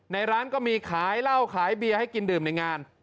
ในร้านก็มีขายเหล้าขายเบียร์ให้กินดื่มในงาน